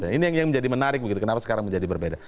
ini yang menjadi menarik begitu kenapa sekarang menjadi berbeda